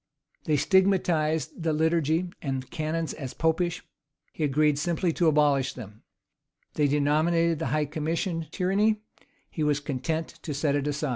They stigmatized the liturgy and canons as Popish: he agreed simply to abolish them. They denominated the high commission, tyranny: he was content to set it aside.[] * Clarendon, vol.